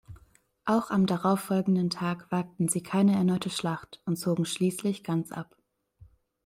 Auch am darauffolgenden Tag wagten sie keine erneute Schlacht und zogen schließlich ganz ab.